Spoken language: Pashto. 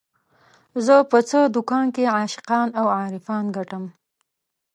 زه په څه دکان کې عاشقان او عارفان ګټم